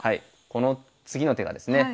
この次の手がですね